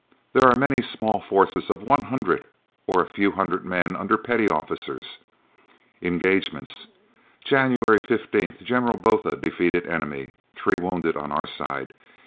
There are many small forces of 100 or a few hundred men under petty officers. Engagements: January 15th General Botha defeated enemy. Three wounded on our side.